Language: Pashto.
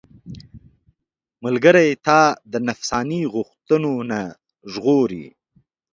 ملګری تا د نفساني غوښتنو نه ژغوري.